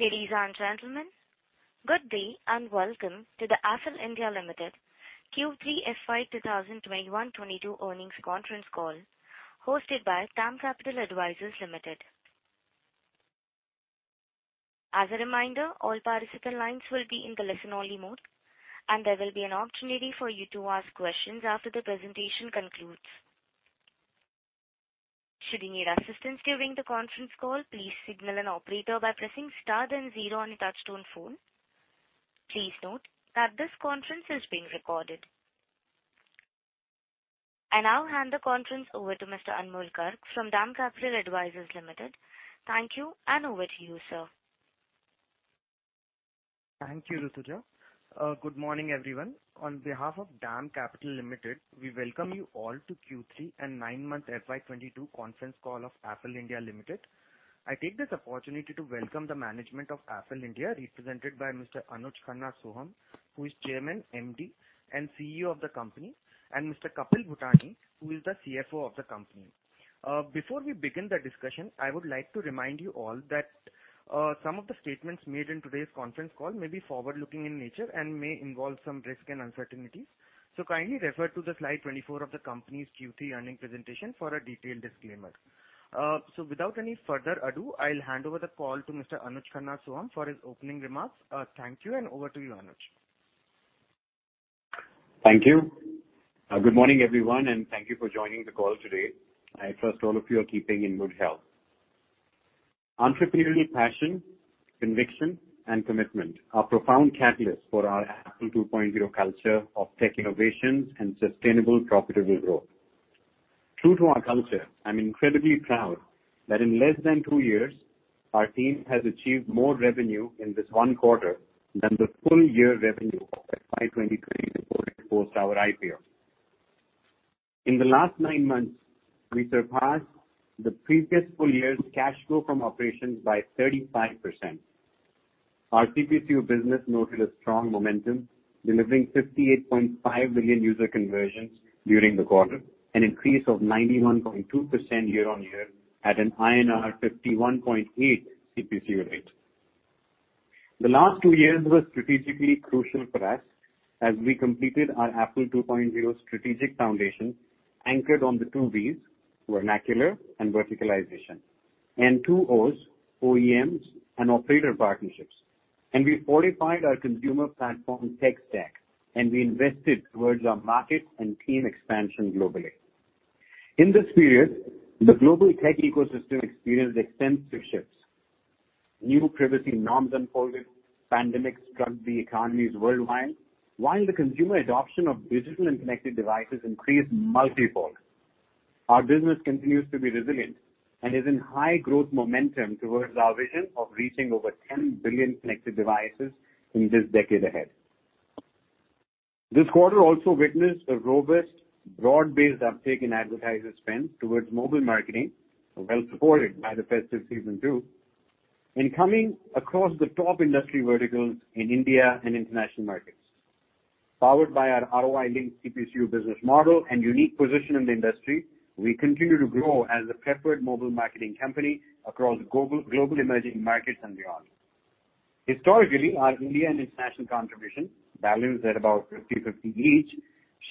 Ladies and gentlemen, good day and welcome to the Affle (India) Limited Q3 FY 2021-22 earnings conference call hosted by DAM Capital Advisors Limited. As a reminder, all participant lines will be in the listen-only mode, and there will be an opportunity for you to ask questions after the presentation concludes. Should you need assistance during the conference call, please signal an operator by pressing star then zero on your touchtone phone. Please note that this conference is being recorded. I now hand the conference over to Mr. Anmol Garg from DAM Capital Advisors Limited. Thank you, and over to you, sir. Thank you, Rutuja. Good morning, everyone. On behalf of DAM Capital Advisors Limited, we welcome you all to Q3 and nine-month FY 2022 conference call of Affle (India) Limited. I take this opportunity to welcome the management of Affle (India), represented by Mr. Anuj Khanna Sohum, who is Chairman, MD, and CEO of the company, and Mr. Kapil Bhutani, who is the CFO of the company. Before we begin the discussion, I would like to remind you all that some of the statements made in today's conference call may be forward-looking in nature and may involve some risk and uncertainties. Kindly refer to the slide 24 of the company's Q3 earning presentation for a detailed disclaimer. Without any further ado, I'll hand over the call to Mr. Anuj Khanna Sohum for his opening remarks. Thank you, and over to you, Anuj. Thank you. Good morning, everyone, and thank you for joining the call today. I trust all of you are keeping in good health. Entrepreneurial passion, conviction, and commitment are profound catalysts for our Affle 2.0 culture of tech innovations and sustainable, profitable growth. True to our culture, I'm incredibly proud that in less than two years, our team has achieved more revenue in this one quarter than the full year revenue of FY 2023 reported post our IPO. In the last nine months, we surpassed the previous full year's cash flow from operations by 35%. Our CPCU business noted a strong momentum, delivering 58.5 billion user conversions during the quarter, an increase of 91.2% year-on-year at an INR 51.8 CPCU rate. The last two years were strategically crucial for us as we completed our Affle 2.0 strategic foundation anchored on the two Vs, vernacular and verticalization, and two Os, OEMs and operator partnerships. We fortified our consumer platform tech stack, and we invested towards our market and team expansion globally. In this period, the global tech ecosystem experienced extensive shifts. New privacy norms unfolded. Pandemic struck the economies worldwide. While the consumer adoption of digital and connected devices increased multi-fold, our business continues to be resilient and is in high growth momentum towards our vision of reaching over 10 billion connected devices in this decade ahead. This quarter also witnessed a robust, broad-based uptake in advertiser spend towards mobile marketing, well supported by the festive season too, increasing across the top industry verticals in India and international markets. Powered by our ROI-linked CPCU business model and unique position in the industry, we continue to grow as a preferred mobile marketing company across global emerging markets and beyond. Historically, our India and international contribution, balanced at about 50-50 each,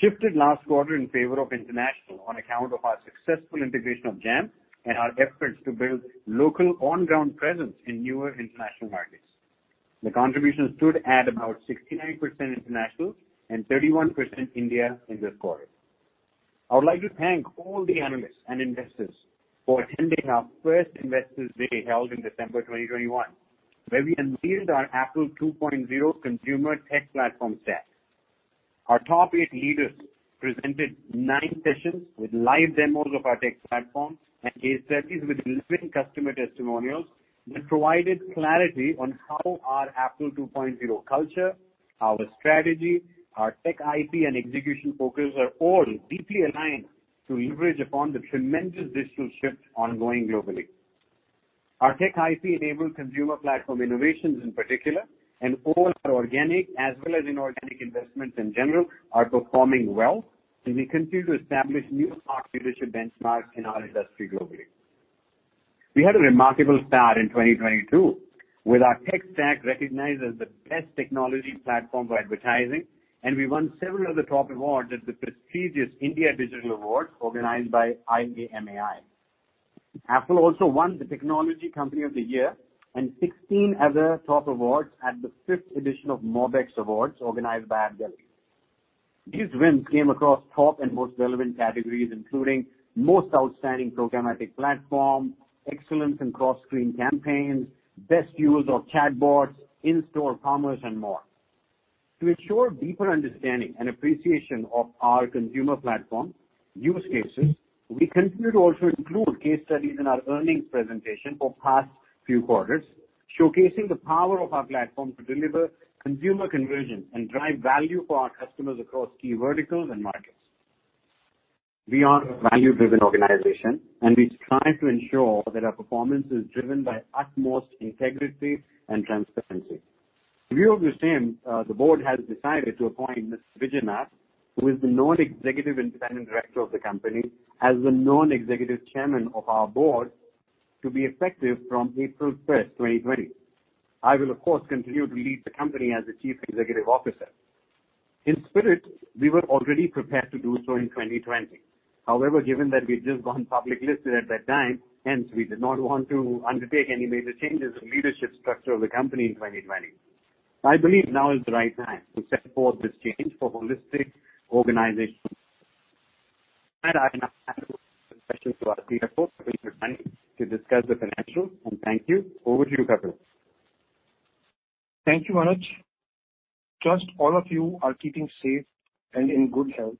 shifted last quarter in favor of international on account of our successful integration of Jampp and our efforts to build local on-ground presence in newer international markets. The contribution stood at about 69% international and 31% India in this quarter. I would like to thank all the analysts and investors for attending our first Investors Day held in December 2021, where we unveiled our Affle 2.0 consumer tech platform stack. Our top eight leaders presented nine sessions with live demos of our tech platform and case studies with delivering customer testimonials that provided clarity on how our Affle 2.0 culture, our strategy, our tech IP, and execution focus are all deeply aligned to leverage upon the tremendous digital shift ongoing globally. Our tech IP-enabled consumer platform innovations in particular and all our organic as well as inorganic investments in general are performing well, and we continue to establish new market leadership benchmarks in our industry globally. We had a remarkable start in 2022, with our tech stack recognized as the best technology platform for advertising, and we won several of the top awards at the prestigious India Digital Awards organized by IAMAI. Affle also won the Technology Company of the Year and sixteen other top awards at the fifth edition of MOBEXX Awards organized by Adgully. These wins came across top and most relevant categories, including Most Outstanding Programmatic Platform, Excellence in Cross-Screen Campaigns, Best Use of Chatbots, In-Store Commerce, and more. To ensure deeper understanding and appreciation of our consumer platform use cases, we continue to also include case studies in our earnings presentation for past few quarters, showcasing the power of our platform to deliver consumer conversion and drive value for our customers across key verticals and markets. We are a value-driven organization, and we strive to ensure that our performance is driven by utmost integrity and transparency. In view of the same, the board has decided to appoint Mr. Bijay Kumar Nath, who is the non-executive independent director of the company, as the non-executive chairman of our board to be effective from April 1, 2020. I will, of course, continue to lead the company as the chief executive officer. In spirit, we were already prepared to do so in 2020. However, given that we've just gone public listed at that time, hence we did not want to undertake any major changes in leadership structure of the company in 2020. I believe now is the right time to set forth this change for holistic organization. I now hand over the session to our CFO, Kapil Bhutani, to discuss the financials. Thank you. Over to you, Kapil. Thank you, Anuj. Trust all of you are keeping safe and in good health.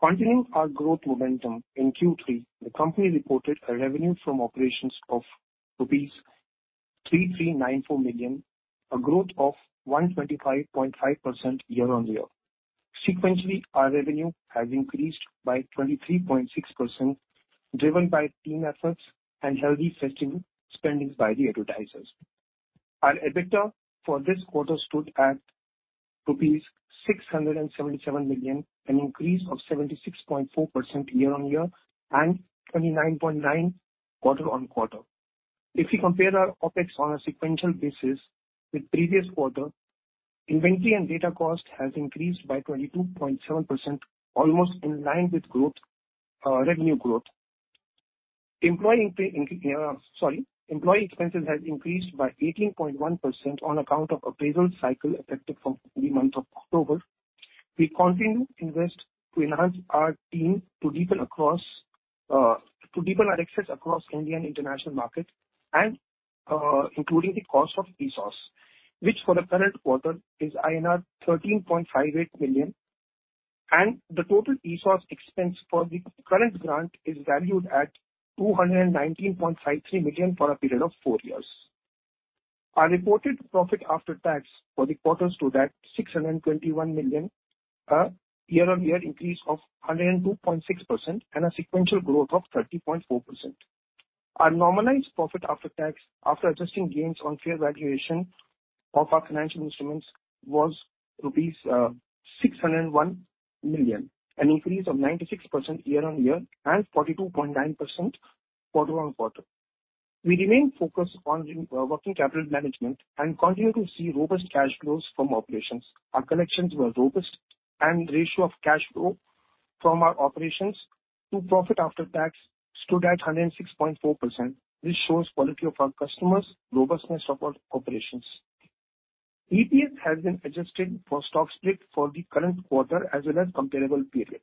Continuing our growth momentum in Q3, the company reported a revenue from operations of rupees 339.4 million, a growth of 125.5% year-on-year. Sequentially, our revenue has increased by 23.6%, driven by team efforts and healthy festival spendings by the advertisers. Our EBITDA for this quarter stood at rupees 677 million, an increase of 76.4% year-on-year and 29.9% quarter-on-quarter. If you compare our OpEx on a sequential basis with previous quarter, inventory and data cost has increased by 22.7%, almost in line with growth, revenue growth. Employee expenses has increased by 18.1% on account of appraisal cycle effective from the month of October. We continue to invest to enhance our team to deepen our access across Indian international market and including the cost of ESOPs, which for the current quarter is INR 13.58 million. The total ESOPs expense for the current grant is valued at 219.53 million for a period of 4 years. Our reported profit after tax for the quarter stood at 621 million, a year-on-year increase of 102.6%, and a sequential growth of 30.4%. Our normalized profit after tax, after adjusting gains on fair valuation of our financial instruments, was rupees 601 million, an increase of 96% year-on-year and 42.9% quarter-on-quarter. We remain focused on working capital management and continue to see robust cash flows from operations. Our collections were robust and ratio of cash flow from our operations to profit after tax stood at 106.4%. This shows quality of our customers, robustness of our operations. EPS has been adjusted for stock split for the current quarter as well as comparable period.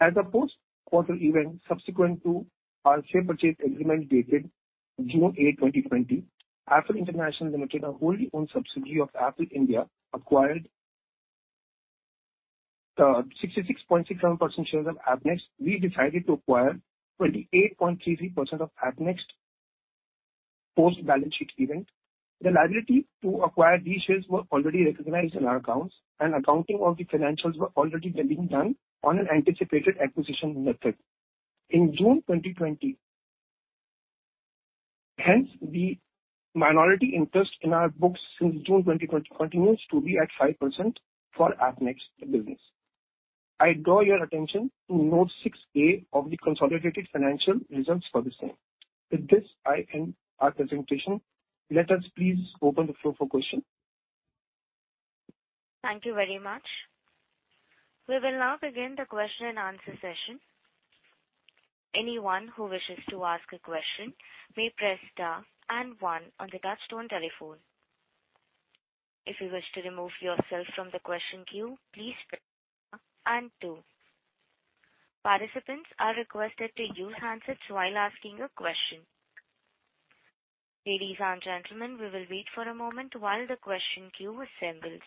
As a post-quarter event subsequent to our share purchase agreement dated June 8, 2020, Affle International Pte. Ltd., a wholly-owned subsidiary of Affle (India) Limited, acquired 66.67% shares of Appnext. We decided to acquire 28.33% of Appnext post-balance sheet event. The liability to acquire these shares were already recognized in our accounts, and accounting of the financials were already being done on an anticipated acquisition method. In June 2020 Hence, the minority interest in our books since June 2020 continues to be at 5% for Appnext business. I draw your attention to note 6A of the consolidated financial results for the same. With this, I end our presentation. Let us please open the floor for questions. Thank you very much. We will now begin the question and answer session. Anyone who wishes to ask a question may press star and one on the touchtone telephone. If you wish to remove yourself from the question queue, please press star and two. Participants are requested to use handsets while asking a question. Ladies and gentlemen, we will wait for a moment while the question queue assembles.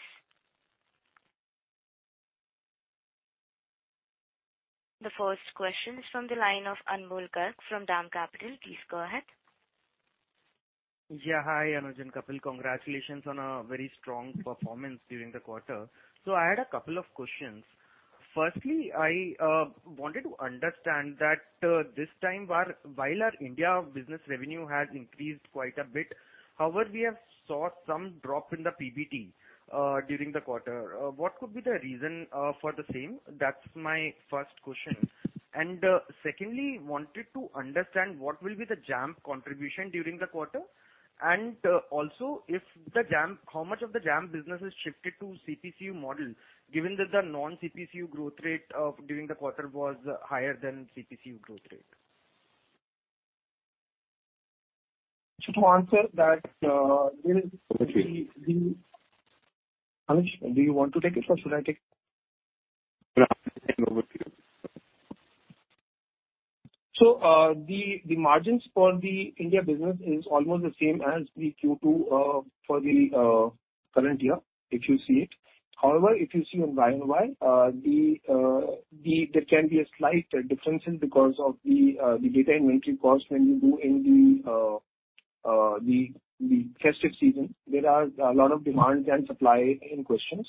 The first question is from the line of Anmol Garg from DAM Capital. Please go ahead. Yeah. Hi, Anuj and Kapil. Congratulations on a very strong performance during the quarter. I had a couple of questions. Firstly, I wanted to understand that this time while our India business revenue has increased quite a bit, however, we have saw some drop in the PBT during the quarter. What could be the reason for the same? That's my first question. Secondly, wanted to understand what will be the Jampp contribution during the quarter. Also, how much of the Jampp business has shifted to CPCU model, given that the non-CPCU growth rate during the quarter was higher than CPCU growth rate? To answer that, will Anuj, do you want to take it or should I take it? The margins for the India business is almost the same as the Q2 for the current year, if you see it. However, if you see year-over-year, there can be a slight differences because of the data inventory cost during the festive season. There are a lot of demand and supply imbalances.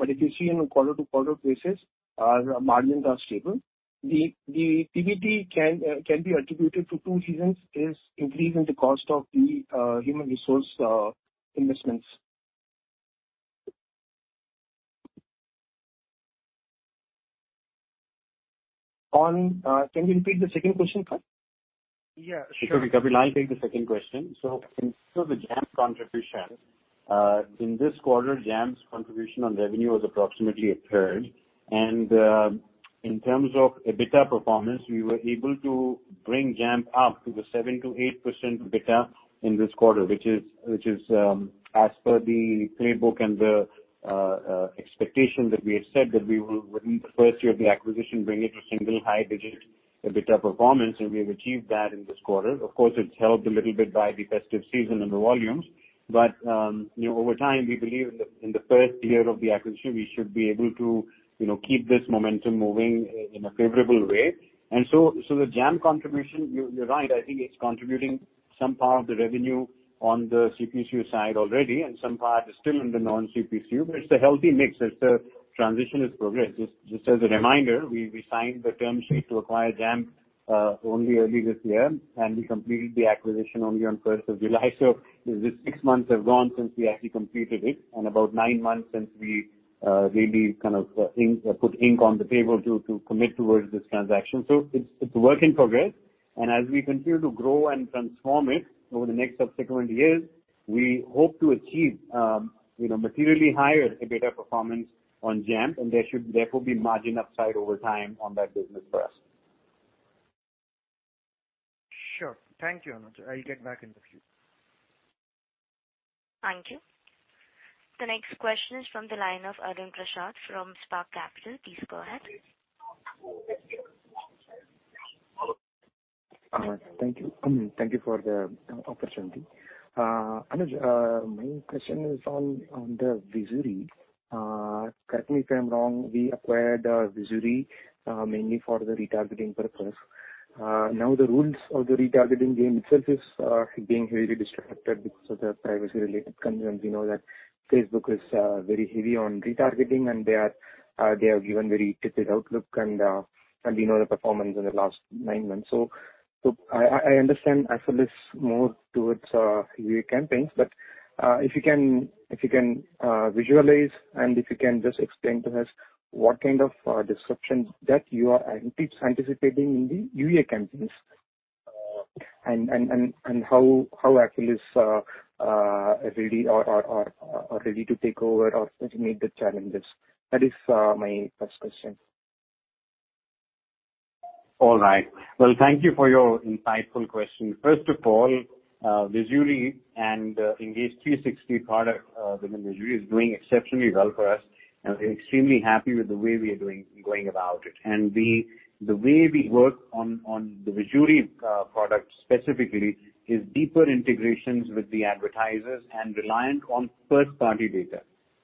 If you see on a quarter-over-quarter basis, our margins are stable. The PBT can be attributed to two reasons, is increase in the cost of the human resource investments. One, can you repeat the second question, sir? Yeah, sure. Sure. Kapil, I'll take the second question. In terms of the Jampp contribution, in this quarter, Jampp's contribution on revenue was approximately a third. In terms of EBITDA performance, we were able to bring Jampp up to the 7%-8% EBITDA in this quarter, which is as per the playbook and the expectation that we have said that we will, within the first year of the acquisition, bring it to single high digit EBITDA performance, and we have achieved that in this quarter. Of course, it's helped a little bit by the festive season and the volumes. You know, over time, we believe in the first year of the acquisition, we should be able to keep this momentum moving in a favorable way. The Jampp contribution, you're right. I think it's contributing some part of the revenue on the CPCU side already, and some part is still in the non-CPCU. It's a healthy mix as the transition has progressed. Just as a reminder, we signed the term sheet to acquire Jampp only early this year, and we completed the acquisition only on the first of July. The six months have gone since we actually completed it and about nine months since we really kind of put ink on the table to commit towards this transaction. It's a work in progress. As we continue to grow and transform it over the next subsequent years, we hope to achieve you know, materially higher EBITDA performance on Jampp, and there should therefore be margin upside over time on that business for us. Sure. Thank you, Anuj. I'll get back in the queue. Thank you. The next question is from the line of Arun Prasath from Spark Capital. Please go ahead. Thank you. Thank you for the opportunity. Anuj, my question is on the Vizury. Correct me if I'm wrong, we acquired Vizury mainly for the retargeting purpose. Now the rules of the retargeting game itself is being heavily disrupted because of the privacy-related concerns. We know that Facebook is very heavy on retargeting, and they have given very tepid outlook and we know the performance in the last nine months. I understand Affle more towards UA campaigns, but if you can visualize and just explain to us what kind of disruption that you are anticipating in the UA campaigns, and how Affle really are ready to take over or mitigate the challenges. That is my first question. All right. Well, thank you for your insightful question. First of all, Vizury and Engage360 product within Vizury is doing exceptionally well for us. We're extremely happy with the way we are going about it. The way we work on the Vizury product specifically is deeper integrations with the advertisers and reliant on first-party data.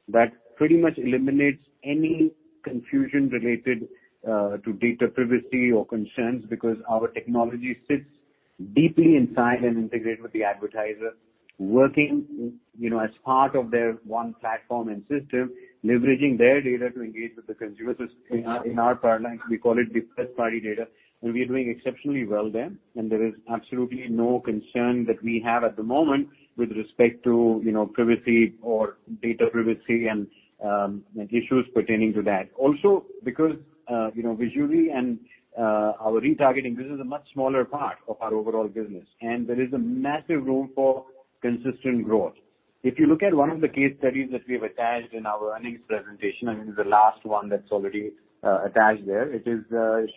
That pretty much eliminates any confusion related to data privacy or concerns because our technology sits deeply inside and integrate with the advertiser, working, you know, as part of their one platform and system, leveraging their data to engage with the consumers. In our parlance, we call it the first-party data, and we are doing exceptionally well there. There is absolutely no concern that we have at the moment with respect to, you know, privacy or data privacy and, issues pertaining to that. Also, because, you know, Vizury and, our retargeting business is a much smaller part of our overall business, and there is a massive room for consistent growth. If you look at one of the case studies that we have attached in our earnings presentation, I mean, the last one that's already, attached there, it is,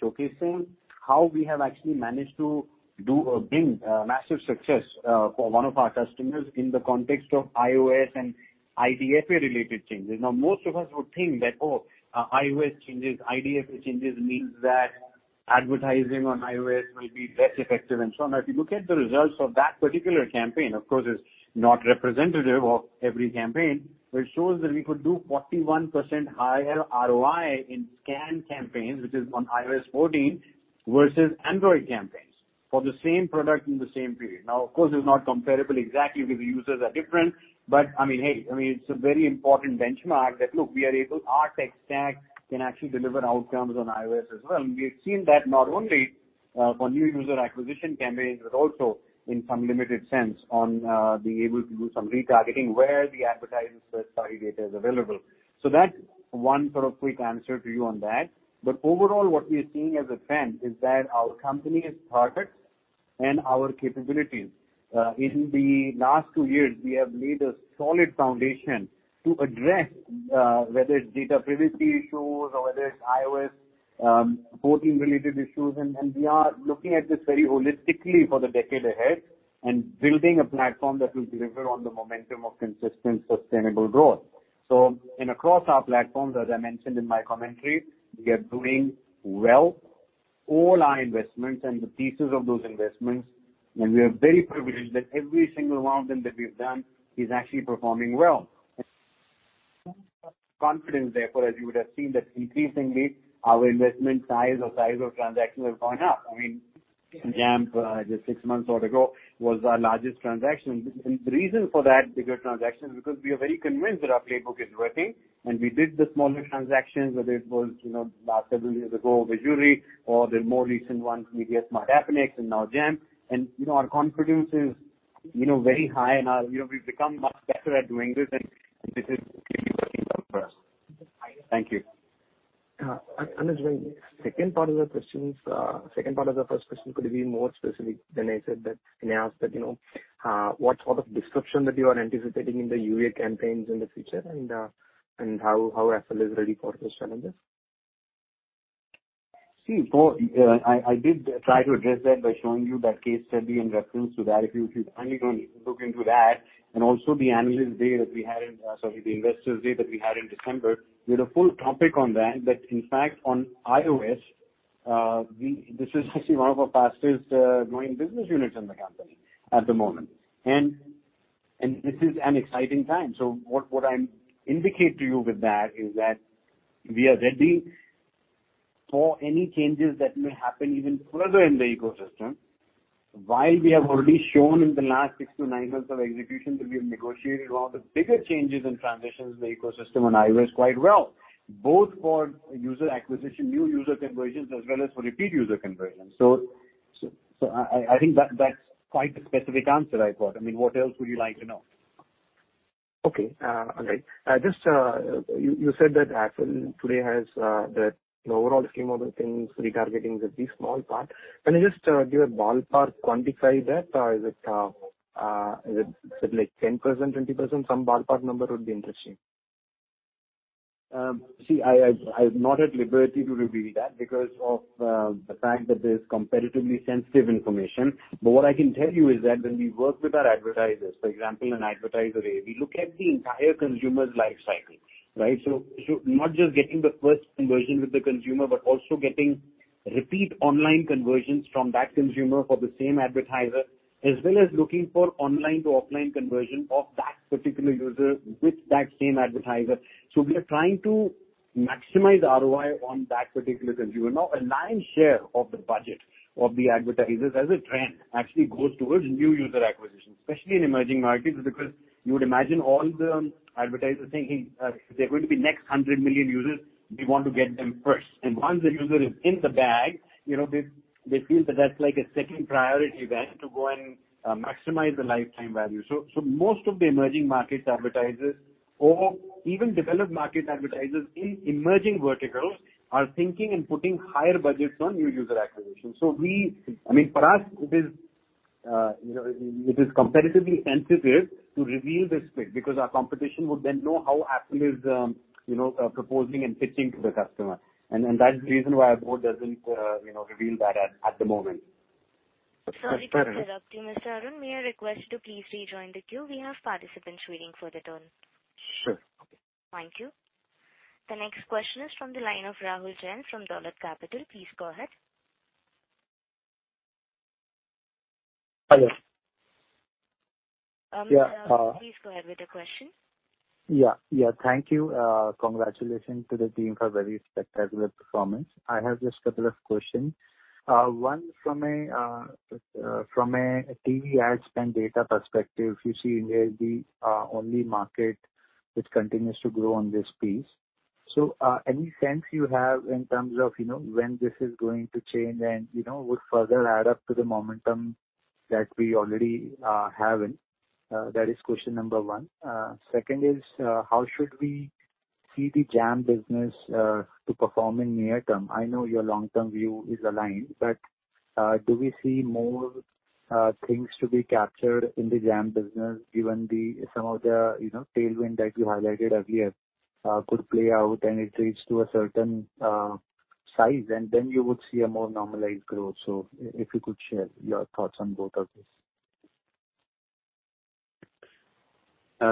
showcasing how we have actually managed to bring a massive success, for one of our customers in the context of iOS and IDFA-related changes. Now, most of us would think that, oh, iOS changes, IDFA changes means that advertising on iOS will be less effective and so on. If you look at the results of that particular campaign, of course, it's not representative of every campaign, but it shows that we could do 41% higher ROI in SKAdNetwork campaigns, which is on iOS 14 versus Android campaigns for the same product in the same period. Now, of course, it's not comparable exactly because the users are different, but I mean, hey, I mean, it's a very important benchmark that, look, we are able our tech stack can actually deliver outcomes on iOS as well. We have seen that not only for new user acquisition campaigns, but also in some limited sense on being able to do some retargeting where the advertiser's first-party data is available. That's one sort of quick answer to you on that. Overall, what we are seeing as a trend is that our company is targeting and our capabilities. In the last two years, we have laid a solid foundation to address whether it's data privacy issues or whether it's iOS 14-related issues. We are looking at this very holistically for the decade ahead and building a platform that will deliver on the momentum of consistent, sustainable growth. Across our platforms, as I mentioned in my commentary, we are doing well. All our investments and the pieces of those investments, and we are very privileged that every single one of them that we've done is actually performing well. Confidence, therefore, as you would have seen, that increasingly our investment size or size of transaction has gone up. I mean, Jampp just six months ago was our largest transaction. The reason for that bigger transaction is because we are very convinced that our playbook is working, and we did the smaller transactions, whether it was, you know, about several years ago, the Vizury or the more recent ones, Mediasmart, Appnext, and now Jampp. You know, our confidence is, you know, very high. You know, we've become much better at doing this, and this is clearly working well for us. Thank you. Arun Prasad. Second part of the questions, second part of the first question could you be more specific than I said that and asked that, you know, what sort of disruption that you are anticipating in the UA campaigns in the future and how Appnext is ready for those challenges? See, Arun Prasad, I did try to address that by showing you that case study in reference to that. If you finally going to look into that and also the analyst day that we had in, sorry, the investors day that we had in December, we had a full topic on that. That in fact on iOS. This is actually one of our fastest growing business units in the company at the moment. This is an exciting time. What I indicate to you with that is that we are ready for any changes that may happen even further in the ecosystem. While we have already shown in the last 6-9 months of execution that we have negotiated a lot of bigger changes in transitions in the ecosystem on iOS quite well, both for user acquisition, new user conversions, as well as for repeat user conversions. I think that's quite a specific answer I got. I mean, what else would you like to know? Okay. All right. Just, you said that Affle today has the overall scheme of the things, retargeting is a very small part. Can you just give a ballpark quantify that, or is it like 10%, 20%? Some ballpark number would be interesting. I'm not at liberty to reveal that because of the fact that there's competitively sensitive information. What I can tell you is that when we work with our advertisers, for example, an advertiser A, we look at the entire consumer's life cycle, right? So not just getting the first conversion with the consumer, but also getting repeat online conversions from that consumer for the same advertiser, as well as looking for online to offline conversion of that particular user with that same advertiser. We are trying to maximize ROI on that particular consumer. Now, a lion's share of the budget of the advertisers as a trend actually goes towards new user acquisition, especially in emerging markets, because you would imagine all the advertisers thinking, if they're going to be next 100 million users, we want to get them first. Once the user is in the bag, you know, they feel that that's like a second priority then to go and maximize the lifetime value. Most of the emerging markets advertisers or even developed market advertisers in emerging verticals are thinking and putting higher budgets on new user acquisition. I mean, for us it is, you know, it is competitively sensitive to reveal the split because our competition would then know how Affle is proposing and pitching to the customer. That's the reason why our board doesn't reveal that at the moment. Sorry to interrupt you, Mr. Arun. May I request you to please rejoin the queue? We have participants waiting for their turn. Sure. Okay. Thank you. The next question is from the line of Rahul Jain from Dolat Capital. Please go ahead. Hello. Please go ahead with your question. Thank you. Congratulations to the team for very spectacular performance. I have just a couple of questions. One from a TV ad spend data perspective, you see India is the only market which continues to grow in this space. Any sense you have in terms of, you know, when this is going to change and, you know, would further add up to the momentum that we already have in? That is question number one. Second is, how should we see the Jampp business to perform in near term? I know your long-term view is aligned, but do we see more things to be captured in the Jampp business given some of the, you know, tailwind that you highlighted earlier could play out and it reaches a certain size and then you would see a more normalized growth. If you could share your thoughts on both of these.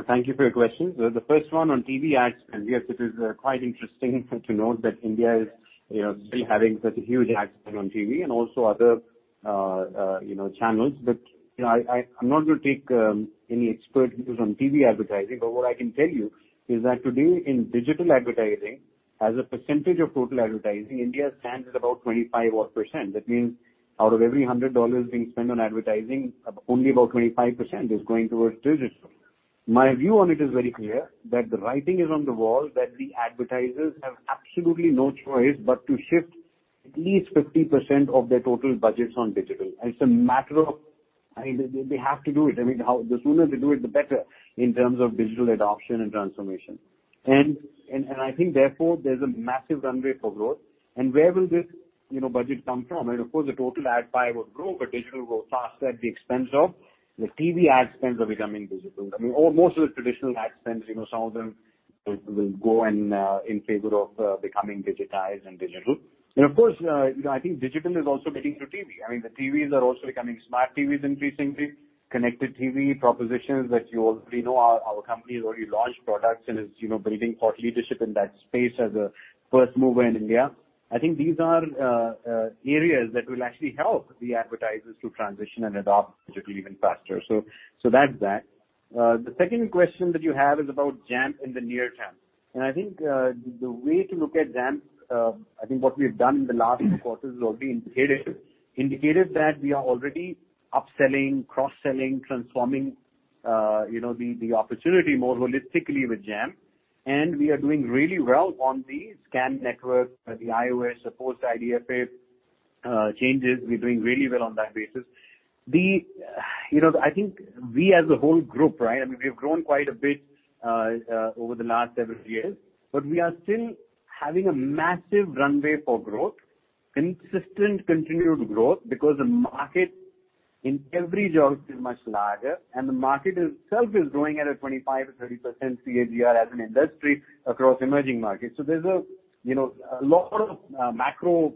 Thank you for your question. The first one on TV ad spend. Yes, it is quite interesting to note that India is, you know, still having such a huge ad spend on TV and also other, you know, channels. I'm not going to take any expert views on TV advertising, but what I can tell you is that today in digital advertising, as a percentage of total advertising, India stands at about 25 odd %. That means out of every $100 being spent on advertising, only about 25% is going towards digital. My view on it is very clear that the writing is on the wall, that the advertisers have absolutely no choice but to shift at least 50% of their total budgets on digital. It's a matter of. I mean, they have to do it. I mean, the sooner they do it, the better in terms of digital adoption and transformation. I think therefore, there's a massive runway for growth. Where will this, you know, budget come from? Of course, the total ad pie would grow, but digital grow faster at the expense of the TV ad spends are becoming digital. I mean, almost all of the traditional ad spends, you know, some of them will go in favor of becoming digitized and digital. Of course, you know, I think digital is also getting to TV. I mean, the TVs are also becoming smart TVs increasingly, connected TV propositions that you already know our company has already launched products and is you know building thought leadership in that space as a first mover in India. I think these are areas that will actually help the advertisers to transition and adopt digitally even faster. That's that. The second question that you have is about Jampp in the near term. I think the way to look at Jampp, I think what we've done in the last two quarters has already indicated that we are already upselling, cross-selling, transforming you know the opportunity more holistically with Jampp. We are doing really well on the SKAdNetwork network for the iOS, the post-IDFA changes. We're doing really well on that basis. You know, I think we as a whole group, right? I mean, we've grown quite a bit over the last several years, but we are still having a massive runway for growth, consistent continued growth, because the market in every geography is much larger, and the market itself is growing at a 25%-30% CAGR as an industry across emerging markets. So there's a you know, a lot of macroeconomic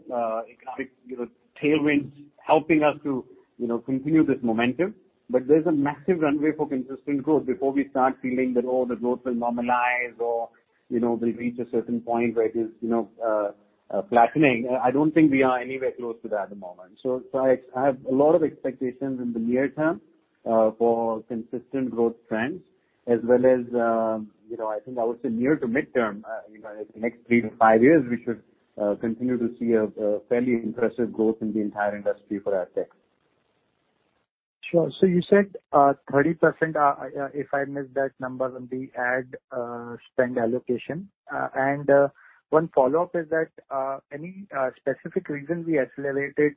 you know, tailwinds helping us to you know, continue this momentum. But there's a massive runway for consistent growth before we start feeling that, oh, the growth will normalize or, you know, we reach a certain point where it is you know, flattening. I don't think we are anywhere close to that at the moment. I have a lot of expectations in the near term for consistent growth trends as well as, you know, I think I would say near to midterm, you know, in the next 3-5 years, we should continue to see a fairly impressive growth in the entire industry for AdTech. Sure. You said 30%, if I missed that number, on the ad spend allocation. One follow-up is that any specific reason we accelerated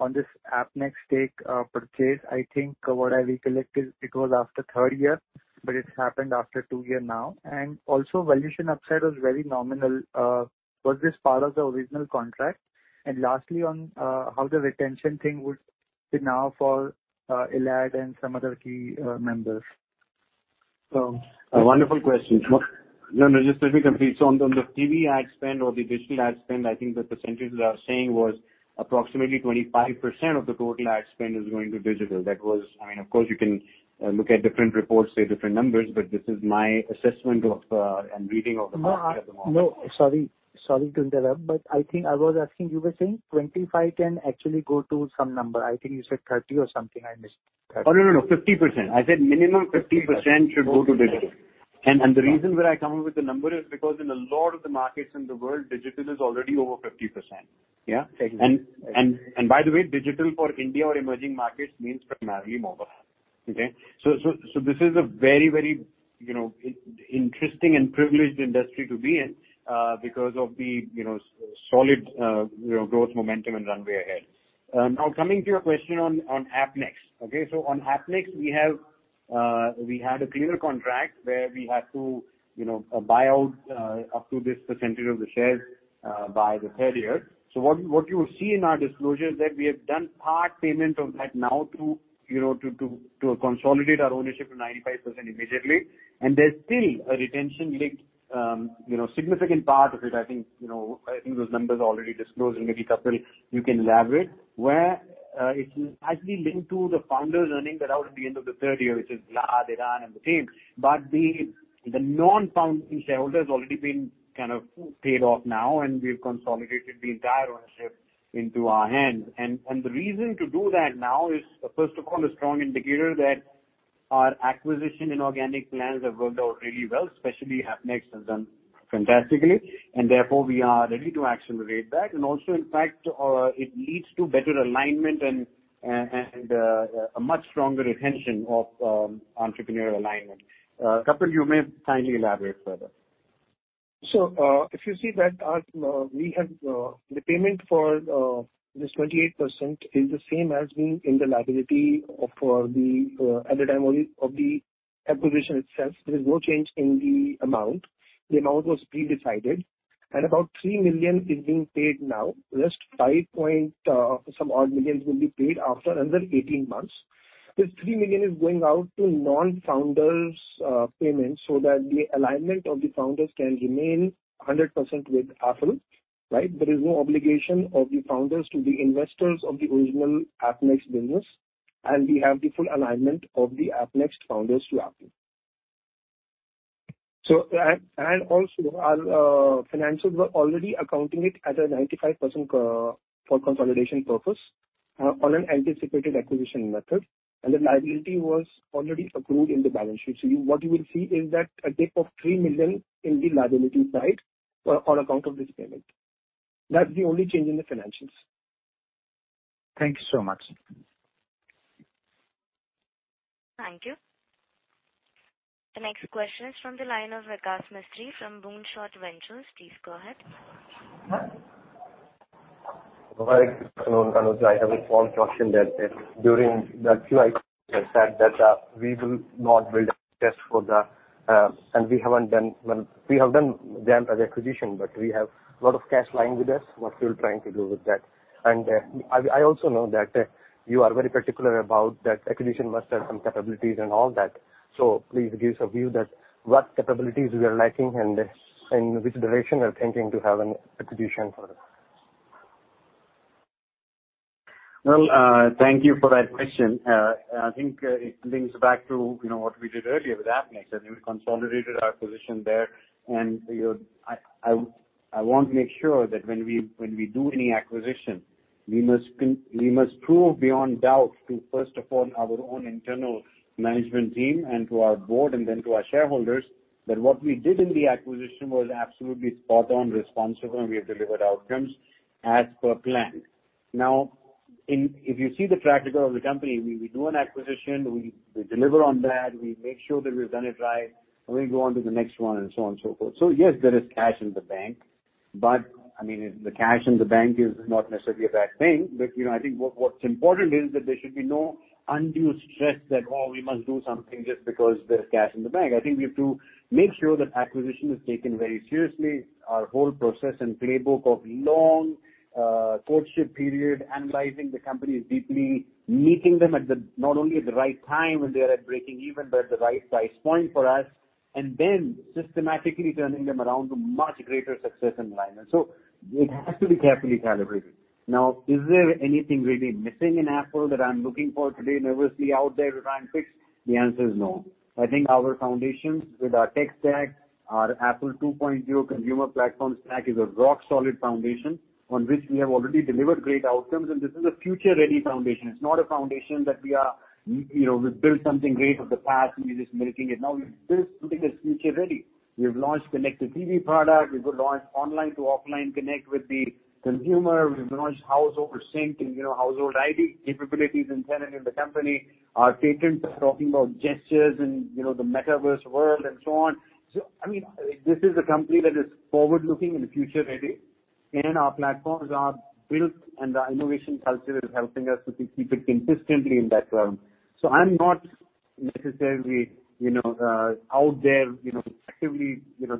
on this Appnext stake purchase? I think what I recollected, it was after third year, but it's happened after two year now. Also valuation upside was very nominal. Was this part of the original contract? Lastly on how the retention thing would sit now for Elad and some other key members. Wonderful questions. No, no, just let me complete. On the TV ad spend or the digital ad spend, I think the percentages I was saying was approximately 25% of the total ad spend is going to digital. That was. I mean, of course you can look at different reports, say different numbers, but this is my assessment of and reading of the market at the moment. No, sorry. Sorry to interrupt, but I think I was asking, you were saying 25 can actually go to some number. I think you said 30 or something, I missed that. Oh, no, 50%. I said minimum 50% should go to digital. Okay. The reason why I come up with the number is because in a lot of the markets in the world, digital is already over 50%. Yeah? Thank you. By the way, digital for India or emerging markets means primarily mobile. Okay? So this is a very, you know, interesting and privileged industry to be in, because of the, you know, solid growth momentum and runway ahead. Now coming to your question on Appnext. Okay, so on Appnext, we had a clear contract where we had to, you know, buy out up to this percentage of the shares by the third year. So what you'll see in our disclosure is that we have done part payment of that now to, you know, to consolidate our ownership to 95% immediately. There's still a retention linked, you know, significant part of it, I think, you know, I think those numbers are already disclosed, and maybe, Kapil, you can elaborate, where, it's actually linked to the founders earning that out at the end of the third year, which is Elad, Eran and the team. The non-founding shareholders already been kind of paid off now, and we've consolidated the entire ownership into our hands. The reason to do that now is, first of all, a strong indicator that our acquisition and organic plans have worked out really well, especially Appnext has done fantastically, and therefore we are ready to accelerate that. Also, in fact, it leads to better alignment and, a much stronger retention of, entrepreneurial alignment. Kapil, you may kindly elaborate further. If you see that, we have the payment for this 28% is the same as being in the liability of the at the time only of the acquisition itself. There is no change in the amount. The amount was pre-decided, and about 3 million is being paid now. Just 5 point some odd million will be paid after another 18 months. This 3 million is going out to non-founders' payments so that the alignment of the founders can remain 100% with Affle, right? There is no obligation of the founders to the investors of the original Appnext business, and we have the full alignment of the Appnext founders to Affle. Our financials were already accounting it at 95% for consolidation purpose on an anticipated acquisition method, and the liability was already approved in the balance sheet. What you will see is that a dip of 3 million in the liability side on account of this payment. That's the only change in the financials. Thank you so much. Thank you. The next question is from the line of Vikas Misri from Moonshot Ventures. Please go ahead. Hi. I have a small question that during the Q&A, you said that we have done them as acquisition, but we have a lot of cash lying with us. What we're trying to do with that? I also know that you are very particular about that acquisition must have some capabilities and all that. Please give us a view that what capabilities we are lacking and which direction we're thinking to have an acquisition for that. Well, thank you for that question. I think it brings back to, you know, what we did earlier with Appnext, and we consolidated our position there. I want to make sure that when we do any acquisition, we must prove beyond doubt to, first of all, our own internal management team and to our board and then to our shareholders that what we did in the acquisition was absolutely spot on, responsible, and we have delivered outcomes as per plan. Now, if you see the track record of the company, we do an acquisition, we deliver on that, we make sure that we've done it right, and we go on to the next one, and so on and so forth. Yes, there is cash in the bank, but I mean, the cash in the bank is not necessarily a bad thing. You know, I think what's important is that there should be no undue stress that oh, we must do something just because there's cash in the bank. I think we have to make sure that acquisition is taken very seriously. Our whole process and playbook of long courtship period, analyzing the companies deeply, meeting them not only at the right time when they are at breaking even, but at the right price point for us, and then systematically turning them around to much greater success and alignment. It has to be carefully calibrated. Now, is there anything really missing in Affle that I'm looking for today nervously out there to try and fix? The answer is no. I think our foundations with our tech stack, our Affle 2.0 consumer platform stack is a rock solid foundation on which we have already delivered great outcomes, and this is a future-ready foundation. It's not a foundation that we are, you know, we've built something great of the past and we're just milking it. No, we've built something that's future ready. We have launched Connected TV product. We could launch online to offline connect with the consumer. We've launched household sync and, you know, household ID capabilities embedded in the company. Our patents are talking about gestures and, you know, the metaverse world and so on. I mean, this is a company that is forward-looking and future ready, and our platforms are built and our innovation culture is helping us to keep it consistently in that realm. I'm not necessarily, you know, out there, you know, actively, you know,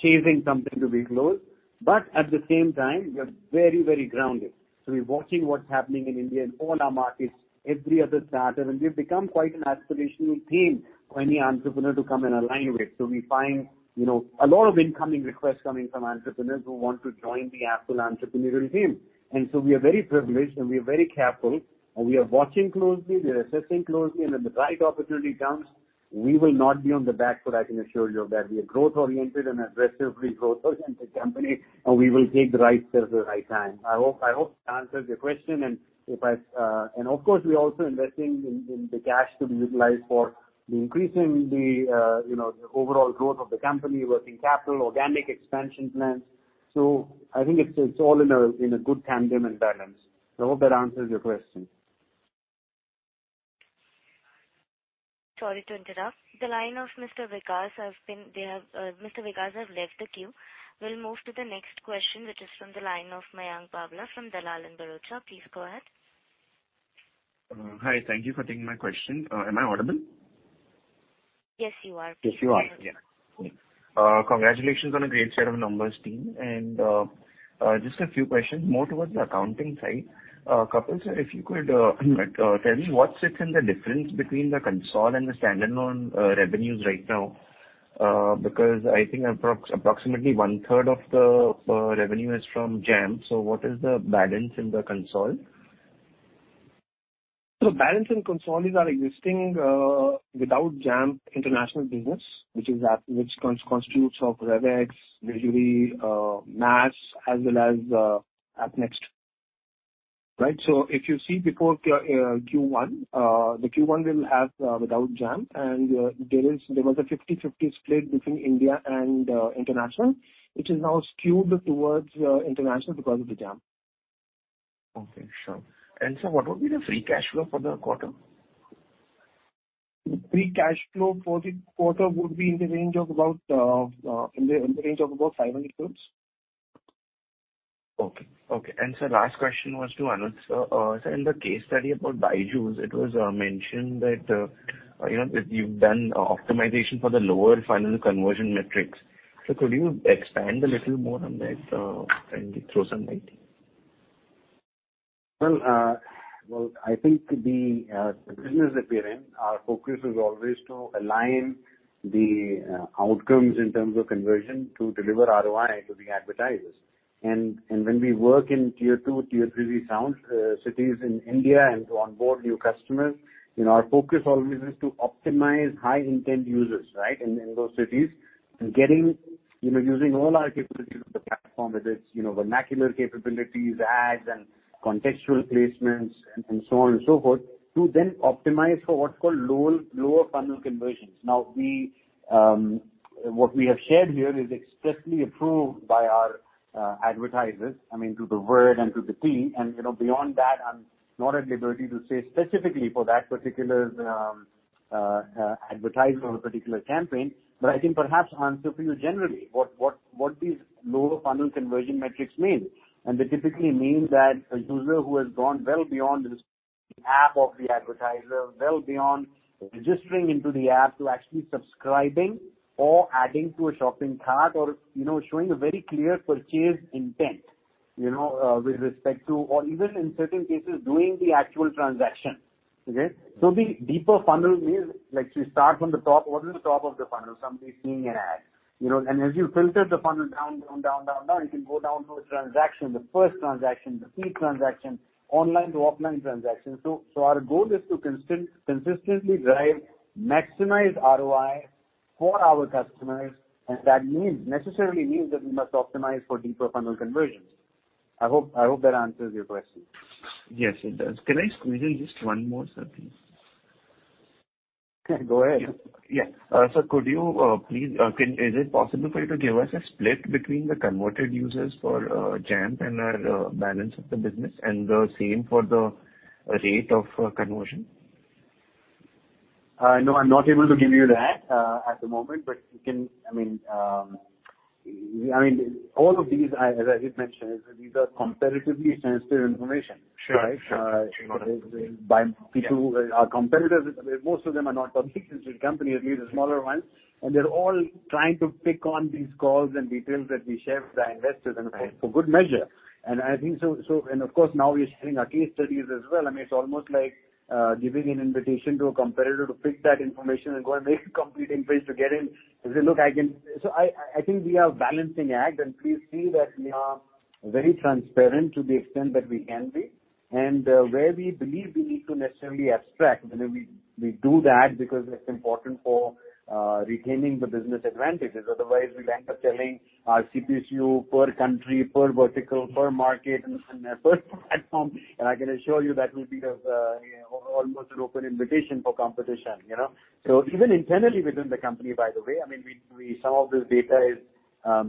chasing something to be closed, but at the same time, we are very, very grounded. We're watching what's happening in India, in all our markets, every other startup. We've become quite an aspirational team for any entrepreneur to come and align with. We find, you know, a lot of incoming requests coming from entrepreneurs who want to join the Affle entrepreneurial team. We are very privileged, and we are very careful, and we are watching closely, we are assessing closely. When the right opportunity comes, we will not be on the back foot, I can assure you of that. We are growth oriented and aggressively growth-oriented company, and we will take the right steps at the right time. I hope, I hope that answers your question. If I... Of course, we're also investing in the cash to be utilized for increasing the, you know, the overall growth of the company, working capital, organic expansion plans. I think it's all in a good tandem and balance. I hope that answers your question. Sorry to interrupt. The line of Mr. Vikas has left the queue. We'll move to the next question, which is from the line of Mayank Babla from Dalal & Broacha. Please go ahead. Hi. Thank you for taking my question. Am I audible? Yes, you are. Yes, you are. Yeah. Congratulations on a great set of numbers, team. Just a few questions, more towards the accounting side. Kapil, sir, if you could tell me what sits in the difference between the consolidated and the standalone revenues right now? Because I think approximately one-third of the revenue is from Jampp. What is the balance in the consolidated? Balance in consolidated are existing without Jampp international business, which constitutes RevX, Mediasmart, MAAS as well as Appnext. Right? If you see before Q1, the Q1 will have without Jampp, and there was a 50-50 split between India and international, which is now skewed towards international because of the Jampp. Okay. Sure. Sir, what would be the free cash flow for the quarter? Free cash flow for the quarter would be in the range of about 500 crore. Sir, last question was to Anuj. Sir, in the case study about BYJU'S, it was mentioned that, you know, that you've done optimization for the lower funnel conversion metrics. Could you expand a little more on that, and throw some light? I think the business that we're in, our focus is always to align the outcomes in terms of conversion to deliver ROI to the advertisers. When we work in tier two, tier three towns, cities in India and to onboard new customers, you know, our focus always is to optimize high intent users, right? In those cities, getting you know, using all our capabilities of the platform, whether it's you know, vernacular capabilities, ads and contextual placements and so on and so forth, to then optimize for what's called lower funnel conversions. Now what we have shared here is expressly approved by our advertisers, I mean, to the word and to the T. You know, beyond that, I'm not at liberty to say specifically for that particular advertiser or a particular campaign. I can perhaps answer for you generally what these lower funnel conversion metrics mean. They typically mean that a user who has gone well beyond just the app of the advertiser, well beyond registering into the app to actually subscribing or adding to a shopping cart or, you know, showing a very clear purchase intent, you know, with respect to or even in certain cases, doing the actual transaction. Okay. The deeper funnel is like we start from the top. What is the top of the funnel? Somebody seeing an ad, you know. As you filter the funnel down, you can go down to a transaction, the first transaction, the free transaction, online to offline transaction. Our goal is to consistently drive to maximize ROI for our customers, and that necessarily means that we must optimize for deeper funnel conversions. I hope that answers your question. Yes, it does. Can I squeeze in just one more, sir, please? Okay, go ahead. Yeah. Sir, could you please is it possible for you to give us a split between the converted users for Jampp and our balance of the business and the same for the rate of conversion? No, I'm not able to give you that at the moment. I mean, all of these, as I just mentioned, these are comparatively sensitive information. Sure. Sure. Right? By people, our competitors, most of them are not publicly listed companies, at least the smaller ones, and they're all trying to pick up on these calls and details that we share with our investors for good measure. I think so. Of course, now we are sharing our case studies as well. I mean, it's almost like giving an invitation to a competitor to pick that information and go and make a competing pitch to get in and say, "Look, I can." I think we have balancing act, and please see that we are very transparent to the extent that we can be. Where we believe we need to necessarily abstract, you know, we do that because it's important for retaining the business advantages. Otherwise we'll end up telling our CPCU per country, per vertical, per market, and per platform, and I can assure you that will be the, you know, almost an open invitation for competition, you know. Even internally within the company, by the way, I mean, some of this data is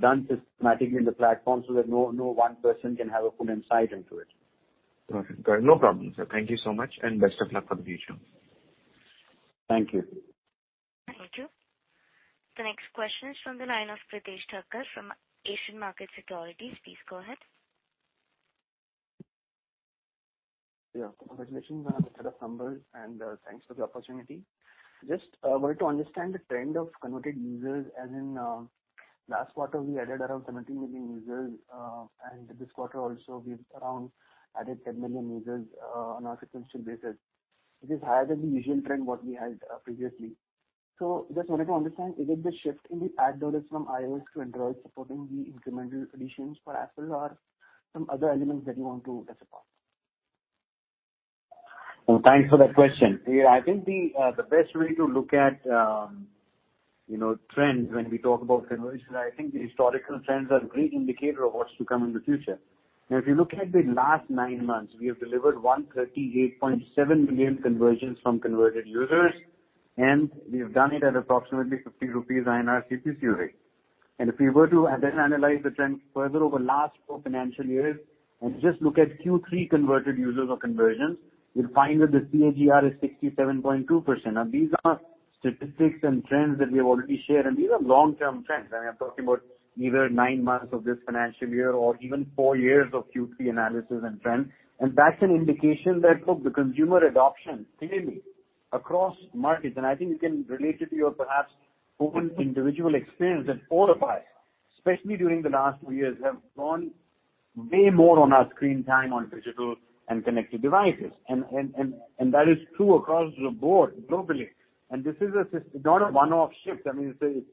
done systematically in the platform so that no one person can have a full insight into it. Perfect. No problem, sir. Thank you so much, and best of luck for the future. Thank you. Thank you. The next question is from the line of Pritesh Thakkar from Asian Market Securities. Please go ahead. Yeah. Congratulations on the set of numbers, and thanks for the opportunity. Just wanted to understand the trend of converted users, as in, last quarter we added around 17 million users, and this quarter also we've around added 10 million users, on a sequential basis. It is higher than the usual trend what we had, previously. Just wanted to understand, is it the shift in the ad dollars from iOS to Android supporting the incremental additions for Apple or some other elements that you want to discuss? Well, thanks for that question. Yeah, I think the best way to look at, you know, trends when we talk about conversions, I think the historical trends are a great indicator of what's to come in the future. Now, if you look at the last 9 months, we have delivered 138.7 million conversions from converted users, and we have done it at approximately 50 rupees CPCU rate. If we were to then analyze the trend further over last 4 financial years and just look at Q3 converted users or conversions, you'll find that the CAGR is 67.2%. Now, these are statistics and trends that we have already shared, and these are long-term trends. I mean, I'm talking about either 9 months of this financial year or even 4 years of Q3 analysis and trends. That's an indication that, look, the consumer adoption clearly across markets, and I think you can relate it to your perhaps own individual experience that all of us, especially during the last two years, have gone way more on our screen time on digital and connected devices. That is true across the board globally. This is not a one-off shift. I mean, it's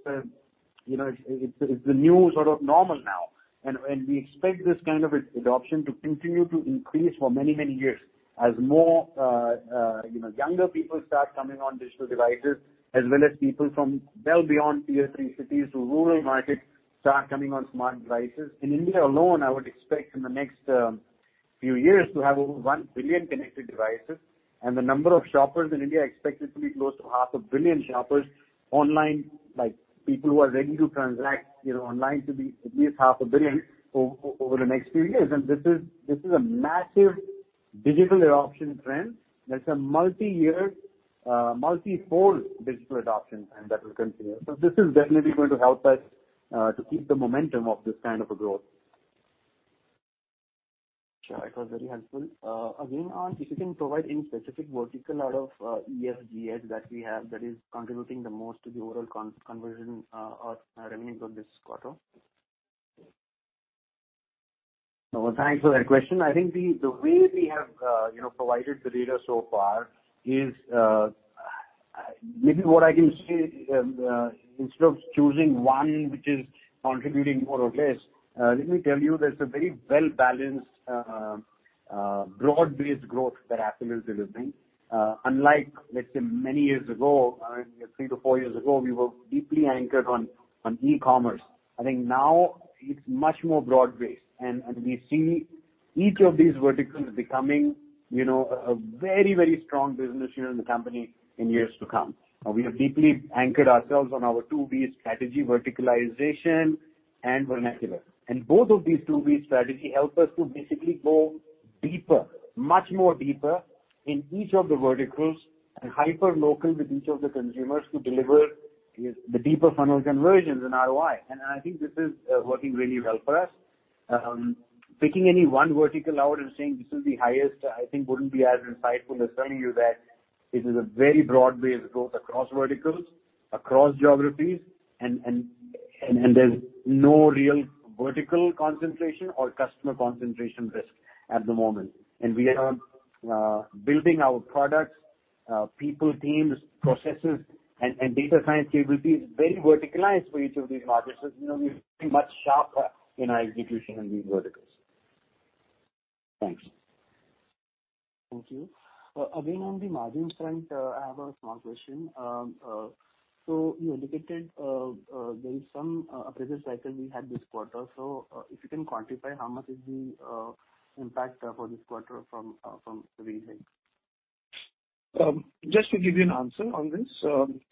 the new sort of normal now. We expect this kind of adoption to continue to increase for many years as more, you know, younger people start coming on digital devices, as well as people from well beyond Tier 3 cities to rural markets start coming on smart devices. In India alone, I would expect in the next few years to have over 1 billion connected devices. The number of shoppers in India expected to be close to half a billion shoppers online, like people who are ready to transact, you know, online to be at least half a billion over the next few years. This is a massive digital adoption trend. That's a multi-year, multi-fold digital adoption trend that will continue. This is definitely going to help us to keep the momentum of this kind of a growth. Sure. It was very helpful. Again, on if you can provide any specific vertical out of ES, GS that we have that is contributing the most to the overall conversion or revenues of this quarter. Well, thanks for that question. I think the way we have, you know, provided the data so far is, maybe what I can say, instead of choosing one which is contributing more or less, let me tell you there's a very well-balanced, broad-based growth that Affle is delivering. Unlike, let's say many years ago, I mean, 3-4 years ago, we were deeply anchored on e-commerce. I think now it's much more broad-based. We see each of these verticals becoming, you know, a very strong business unit in the company in years to come. We have deeply anchored ourselves on our two V strategy, verticalization and vernacular. Both of these 2.0 strategies help us to basically go deeper, much more deeper in each of the verticals and hyperlocal with each of the consumers to deliver the deeper funnel conversions and ROI. I think this is working really well for us. Picking any one vertical out and saying this is the highest, I think wouldn't be as insightful as telling you that this is a very broad-based growth across verticals, across geographies, and there's no real vertical concentration or customer concentration risk at the moment. We are building our products, people, teams, processes, and data science capabilities very verticalized for each of these markets. You know we're much sharper in our execution in these verticals. Thanks. Thank you. Again, on the margin front, I have a small question. You indicated there is some appraisal cycle we had this quarter. If you can quantify how much is the impact for this quarter from the raise in? Just to give you an answer on this.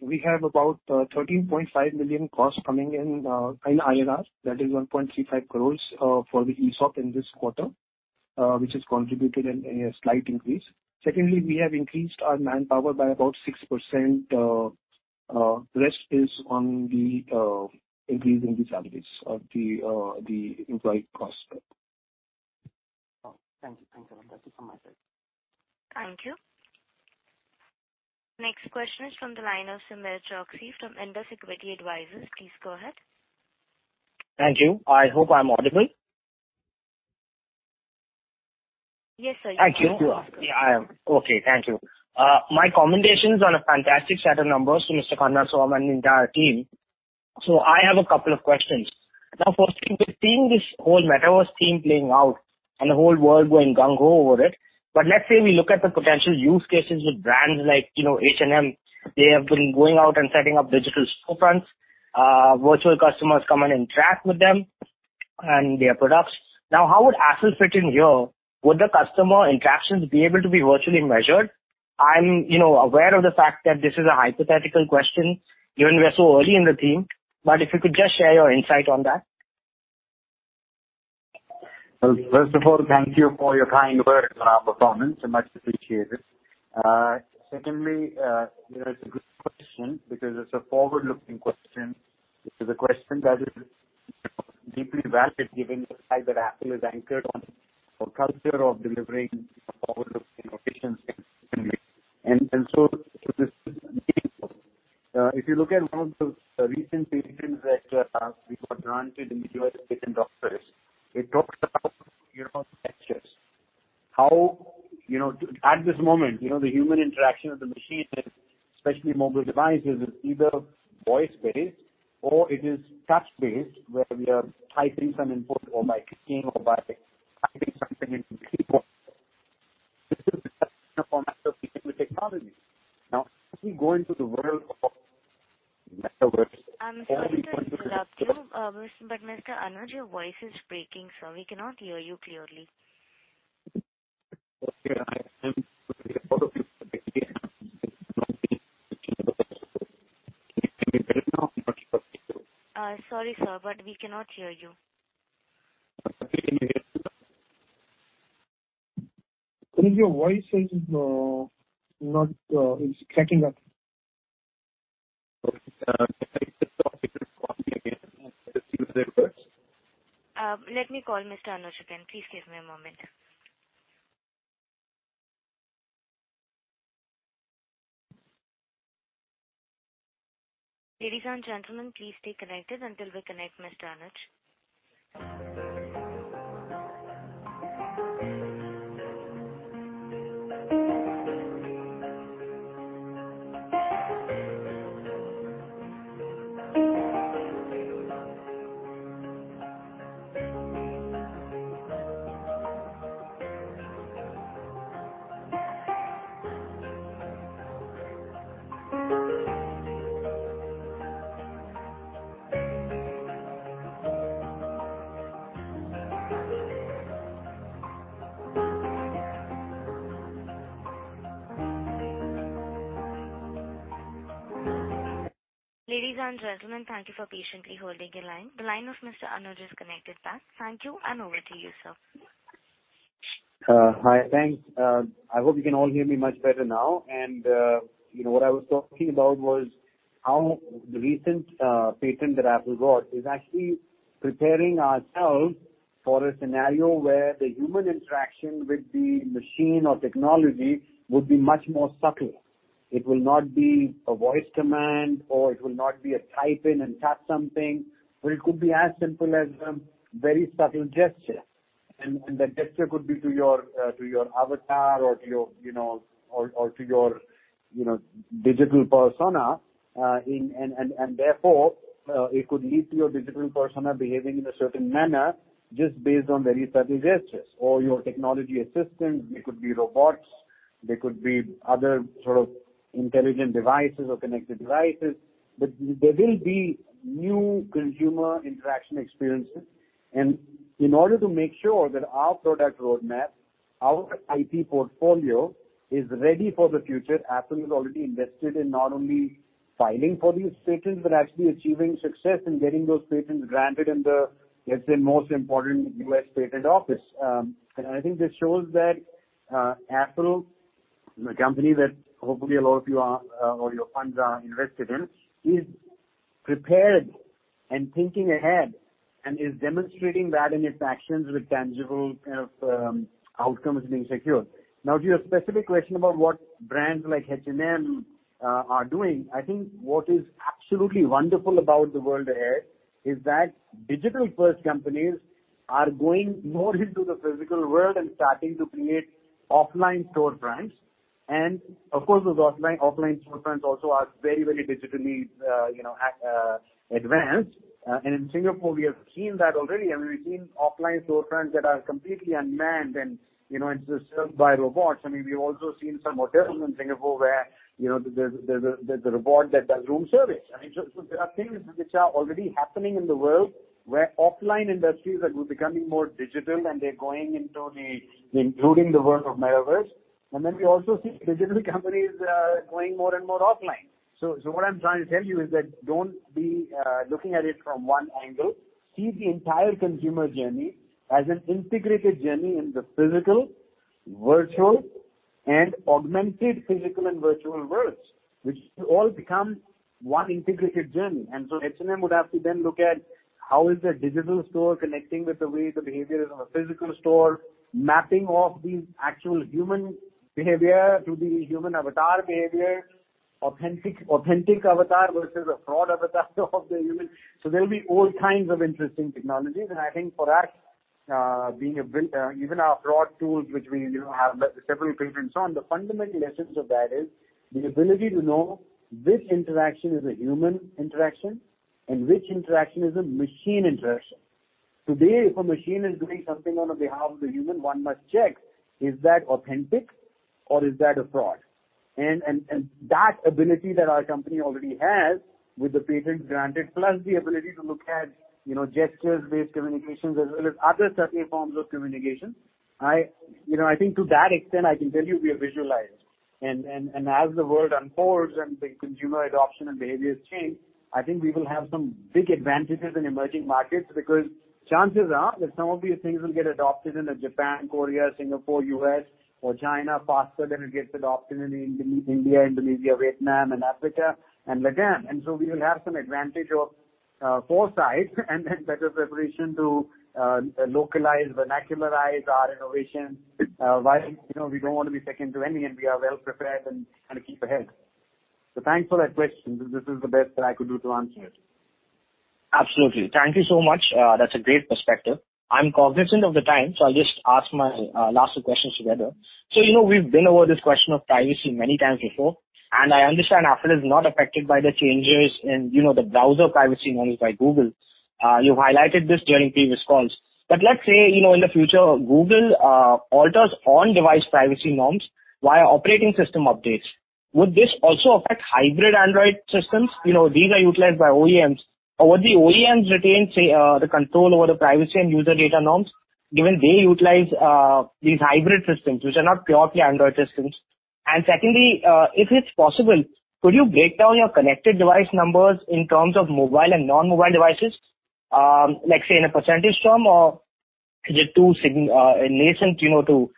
We have about 13.5 million costs coming in in INR. That is 1.35 crores for the ESOP in this quarter, which has contributed in a slight increase. Secondly, we have increased our manpower by about 6%, rest is on the increasing the salaries of the employee cost spread. Oh, thank you. Thanks a lot. That's it from my side. Thank you. Next question is from the line of Sumir Chokshi from Indus Equity Advisors. Please go ahead. Thank you. I hope I'm audible. Yes, sir. Thank you. You are, sir. Yeah, I am. Okay. Thank you. My commendations on a fantastic set of numbers to Mr. Anuj Khanna Sohum and the entire team. I have a couple of questions. Now, firstly, we're seeing this whole metaverse theme playing out and the whole world going gung-ho over it. Let's say we look at the potential use cases with brands like, you know, H&M. They have been going out and setting up digital storefronts. Virtual customers come and interact with them and their products. How would Apple fit in here? Would the customer interactions be able to be virtually measured? I'm, you know, aware of the fact that this is a hypothetical question, given we're so early in the theme, but if you could just share your insight on that. Well, first of all, thank you for your kind words on our performance. I much appreciate it. Secondly, you know, it's a good question because it's a forward-looking question. This is a question that is, you know, deeply valid given the fact that Apple is anchored on a culture of delivering forward-looking innovations. This is meaningful. If you look at one of the recent patents that we were granted in the U.S. Patent and Trademark Office, it talks about, you know, textures. At this moment, you know, the human interaction of the machine, especially mobile devices, is either voice-based or it is touch-based, where we are typing some input or by swiping or by tapping something on the keyboard. This is the best format of human technology. Now, as we go into the world of metaverse. I'm sorry to interrupt you, but Mr. Anuj, your voice is breaking, so we cannot hear you clearly. Okay. Can you hear me now? I'm not sure. Sorry, sir, but we cannot hear you. Can you hear me now? Anuj, your voice is not, it's cracking up. Okay. Can I just talk it through to you again and receive the request? Let me call Mr. Anuj again. Please give me a moment. Ladies and gentlemen, please stay connected until we connect Mr. Anuj. Ladies and gentlemen, thank you for patiently holding your line. The line of Mr. Anuj is connected back. Thank you. Over to you, sir. Hi. Thanks. I hope you can all hear me much better now. you know, what I was talking about was how the recent patent that Apple got is actually preparing ourselves for a scenario where the human interaction with the machine or technology would be much more subtle. It will not be a voice command, or it will not be a type in and tap something, but it could be as simple as very subtle gesture. the gesture could be to your avatar or to your, you know, or to your, you know, digital persona. therefore, it could lead to your digital persona behaving in a certain manner just based on very subtle gestures or your technology assistant. They could be robots, they could be other sort of intelligent devices or connected devices. There will be new consumer interaction experiences. In order to make sure that our product roadmap, our IT portfolio is ready for the future, Apple has already invested in not only filing for these patents, but actually achieving success in getting those patents granted in the, let's say, most important U.S. patent office. I think this shows that Apple, the company that hopefully a lot of you are or your funds are invested in, is prepared and thinking ahead and is demonstrating that in its actions with tangible kind of outcomes being secured. Now, to your specific question about what brands like H&M are doing, I think what is absolutely wonderful about the world ahead is that digital-first companies are going more into the physical world and starting to create offline store brands. Of course, those offline storefronts also are very, very digitally, you know, advanced. In Singapore, we have seen that already. I mean, we've seen offline storefronts that are completely unmanned and, you know, it's just served by robots. I mean, we've also seen some hotels in Singapore where, you know, there's a robot that does room service. I mean, there are things which are already happening in the world where offline industries are becoming more digital, and they're going into, including the world of metaverse. Then we also see digital companies going more and more offline. What I'm trying to tell you is that don't be looking at it from one angle. See the entire consumer journey as an integrated journey in the physical, virtual, and augmented physical and virtual worlds, which all become one integrated journey. H&M would have to then look at how is the digital store connecting with the way the behavior is on a physical store, mapping of the actual human behavior to the human avatar behavior, authentic avatar versus a fraud avatar of the human. There'll be all kinds of interesting technologies. I think for us, even our fraud tools, which we, you know, have several patents on, the fundamental essence of that is the ability to know which interaction is a human interaction and which interaction is a machine interaction. Today, if a machine is doing something on behalf of a human, one must check if that is authentic or if that is a fraud. That ability that our company already has with the patent granted, plus the ability to look at, you know, gestures-based communications as well as other certain forms of communication, you know, I think to that extent, I can tell you we are positioned. As the world unfolds and the consumer adoption and behaviors change, I think we will have some big advantages in emerging markets, because chances are that some of these things will get adopted in Japan, Korea, Singapore, U.S. or China faster than it gets adopted in India, Indonesia, Vietnam and Africa and LatAm. We will have some advantage of foresight and better preparation to localize, vernacularize our innovation, while, you know, we don't want to be second to any and we are well prepared and trying to keep ahead. Thanks for that question. This is the best that I could do to answer it. Absolutely. Thank you so much. That's a great perspective. I'm cognizant of the time, so I'll just ask my last two questions together. You know, we've been over this question of privacy many times before, and I understand Apple is not affected by the changes in the browser privacy norms by Google. You highlighted this during previous calls. Let's say, you know, in the future, Google alters on-device privacy norms via operating system updates. Would this also affect hybrid Android systems? You know, these are utilized by OEMs. Would the OEMs retain the control over the privacy and user data norms, given they utilize these hybrid systems, which are not purely Android systems? Secondly, if it's possible, could you break down your connected device numbers in terms of mobile and non-mobile devices, let's say in a percentage term or is it too nascent, you know, to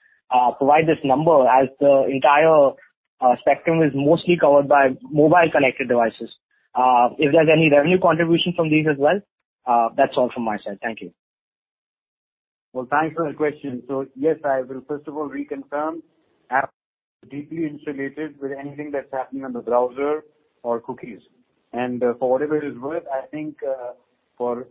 provide this number as the entire spectrum is mostly covered by mobile connected devices? Is there any revenue contribution from these as well? That's all from my side. Thank you. Well, thanks for the question. Yes, I will first of all reconfirm that Apple is deeply insulated from anything that's happening on the browser or cookies. For whatever it is worth, I think for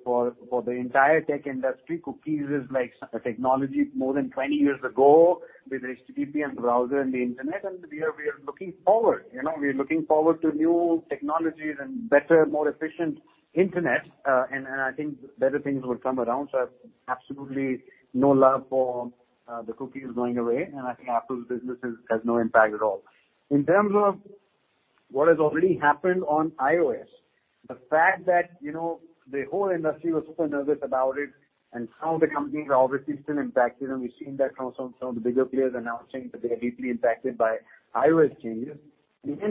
the entire tech industry, cookies is like a technology more than 20 years ago with HTTP and browser and the internet, and we are looking forward. You know, we are looking forward to new technologies and better, more efficient internet. I think better things will come around. Absolutely no love for the cookies going away, and I think Apple's business has no impact at all. In terms of what has already happened on iOS, the fact that, you know, the whole industry was super nervous about it and some of the companies are obviously still impacted, and we've seen that from some of the bigger players announcing that they are deeply impacted by iOS changes.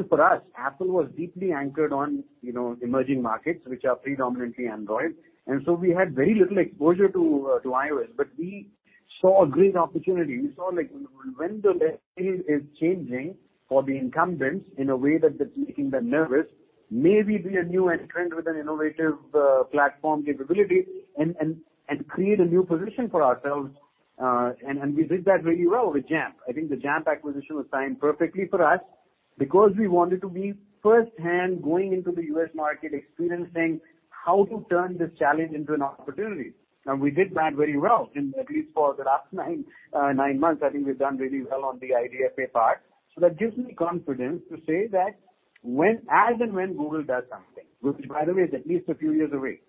For us, Apple was deeply anchored on, you know, emerging markets, which are predominantly Android. We had very little exposure to iOS. We saw a great opportunity. We saw like when the tide is changing for the incumbents in a way that it's making them nervous, maybe be a new entrant with an innovative platform capability and create a new position for ourselves. We did that really well with Jampp. I think the Jampp acquisition was timed perfectly for us because we wanted to be firsthand going into the U.S. market, experiencing how to turn this challenge into an opportunity. We did that very well. In at least for the last nine months, I think we've done really well on the IDFA part. That gives me confidence to say that when Google does something, which by the way, is at least a few years away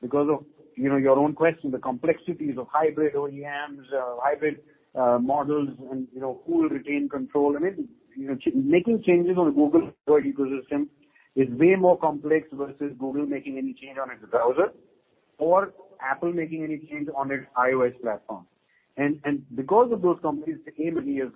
because of, you know, your own question, the complexities of hybrid OEMs, hybrid models and, you know, who will retain control. I mean, you know, making changes on Google's ecosystem is way more complex versus Google making any change on its browser or Apple making any change on its iOS platform. And because of those companies, they came many years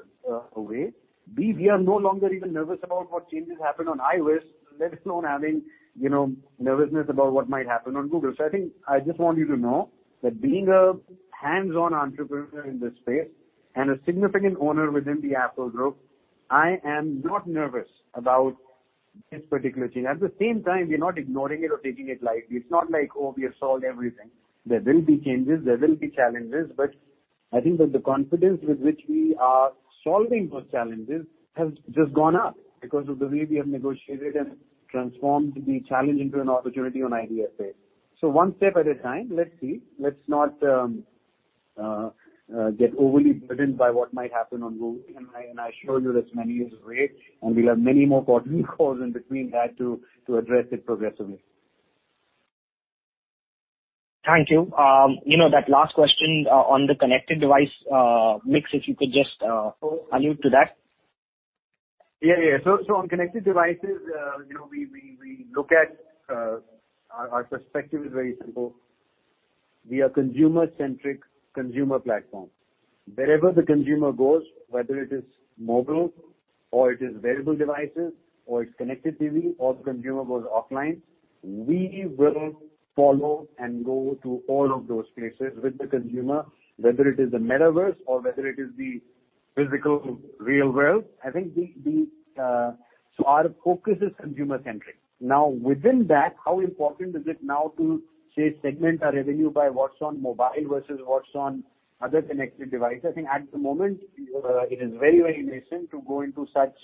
away. We are no longer even nervous about what changes happen on iOS, let alone having, you know, nervousness about what might happen on Google. I think I just want you to know that being a hands-on entrepreneur in this space and a significant owner within the Apple group, I am not nervous about this particular change. At the same time, we're not ignoring it or taking it lightly. It's not like, oh, we have solved everything. There will be changes, there will be challenges, but I think that the confidence with which we are solving those challenges has just gone up because of the way we have negotiated and transformed the challenge into an opportunity on IDFA. One step at a time. Let's see. Let's not get overly burdened by what might happen on Google. I assure you this manual is great, and we'll have many more board meetings calls in between that to address it progressively. Thank you. You know that last question on the connected device mix, if you could just allude to that. On connected devices, you know, we look at our perspective is very simple. We are consumer-centric consumer platform. Wherever the consumer goes, whether it is mobile or it is wearable devices or it's Connected TV or the consumer goes offline, we will follow and go to all of those places with the consumer, whether it is the metaverse or whether it is the physical real world. I think our focus is consumer-centric. Now, within that, how important is it now to, say, segment our revenue by what's on mobile versus what's on other connected devices? I think at the moment, it is very nascent to go into such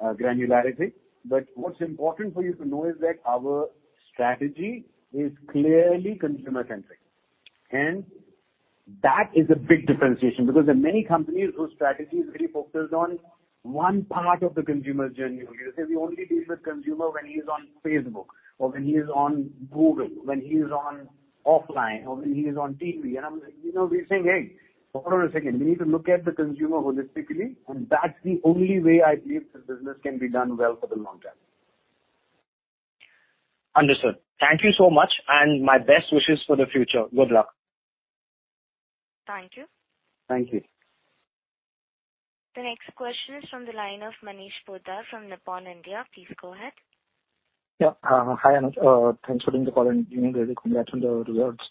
granularity. But what's important for you to know is that our strategy is clearly consumer-centric. That is a big differentiation because there are many companies whose strategy is really focused on one part of the consumer journey. You know, they say we only deal with consumer when he's on Facebook or when he is on Google, when he is on offline or when he is on TV. I'm like, "You know, we're saying, 'Hey, hold on a second. We need to look at the consumer holistically.'" That's the only way I believe the business can be done well for the long term. Understood. Thank you so much, and my best wishes for the future. Good luck. Thank you. Thank you. The next question is from the line of Manish Poddar from Nippon India. Please go ahead. Hi, Anuj. Thanks for doing the call and really congrats on the results.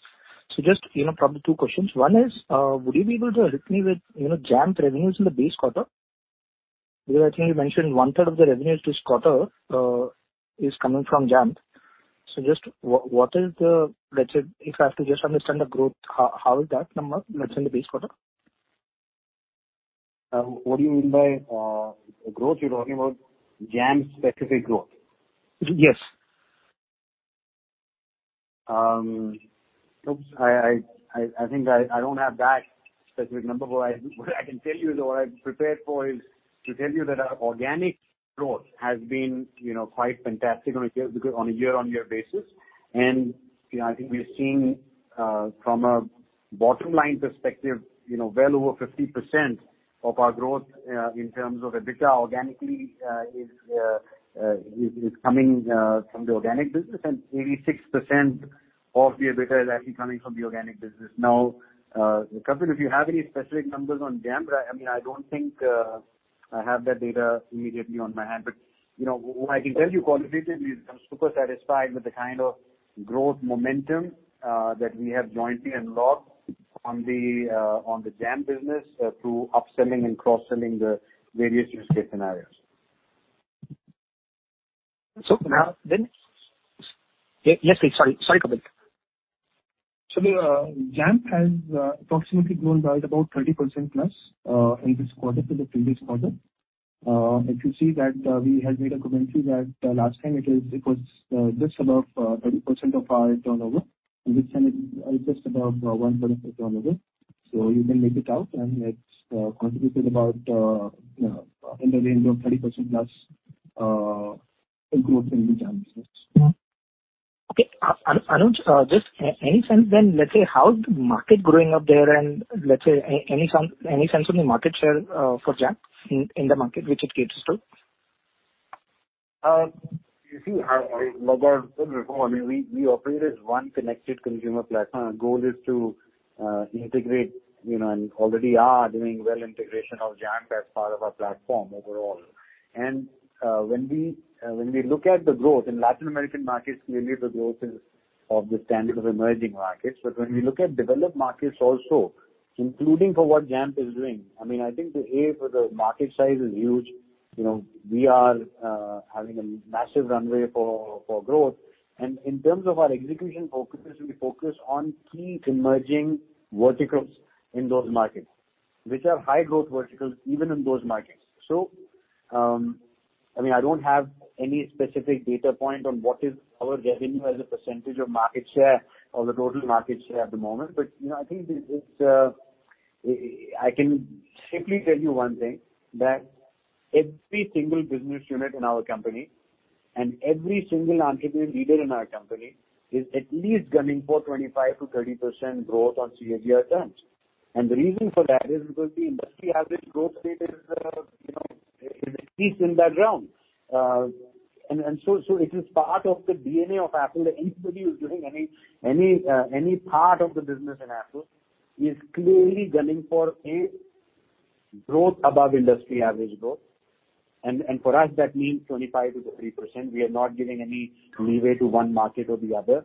Just, you know, probably two questions. One is, would you be able to help me with, you know, Jampp revenues in the base quarter? Because I think you mentioned one-third of the revenues this quarter is coming from Jampp. Just what is the... Let's say, if I have to just understand the growth, how is that number, let's say, in the base quarter? What do you mean by growth? You're talking about Jampp-specific growth? Yes. I think I don't have that specific number. What I can tell you or what I'm prepared for is to tell you that our organic growth has been, you know, quite fantastic on a year-on-year basis. You know, I think we've seen from a bottom line perspective, you know, well over 50% of our growth in terms of EBITDA organically is coming from the organic business and 86% of the EBITDA is actually coming from the organic business. Now, Kapil, if you have any specific numbers on Jampp, but I mean, I don't think I have that data immediately on my hand. You know, what I can tell you qualitatively is I'm super satisfied with the kind of growth momentum that we have jointly unlocked on the Jampp business through upselling and cross-selling the various use case scenarios. Yes, please. Sorry. Sorry, Kapil. The Jampp has approximately grown by about 30%+ in this quarter from the previous quarter. If you see that, we had made a commentary that last time it was just about 30% of our turnover. This time it is just about 1% of turnover. You can make it out and it's contributed about, you know, in the range of 30%+ growth in the Jampp business. Okay. Anuj, just any sense then, let's say, how is the market growing up there? Let's say, any sense on the market share for Jampp in the market which it caters to? You see, like I said before, I mean, we operate as one connected consumer platform. Our goal is to integrate, you know, and already are doing well integration of Jampp as part of our platform overall. When we look at the growth in Latin American markets, clearly the growth is of the standard of emerging markets. But when we look at developed markets also, including for what Jampp is doing, I mean, I think the aim for the market size is huge. You know, we are having a massive runway for growth. In terms of our execution focus, we focus on key emerging verticals in those markets, which are high growth verticals even in those markets. I mean, I don't have any specific data point on what is our revenue as a percentage of market share or the total market share at the moment. But, you know, I think it's. I can simply tell you one thing, that every single business unit in our company and every single entrepreneurial leader in our company is at least gunning for 25%-30% growth on CAGR terms. The reason for that is because the industry average growth rate is, you know, is at least in that realm. It is part of the DNA of Affle that anybody who's doing any part of the business in Affle is clearly gunning for, a, growth above industry average growth. For us, that means 25%-30%. We are not giving any leeway to one market or the other.